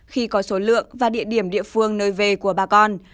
khi có số lượng và địa điểm địa phương nơi về của bà con